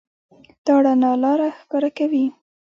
دا رڼا لاره ښکاره کوي.